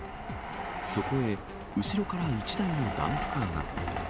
そこへ後ろから１台のダンプカーが。